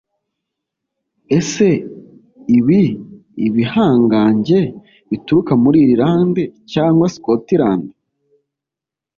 Ese ibi Ibihangange Bituruka Muri Irilande Cyangwa Scotland?